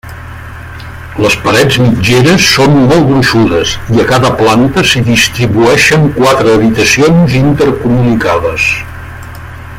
Les parets mitgeres són molt gruixudes i a cada planta s'hi distribueixen quatre habitacions intercomunicades.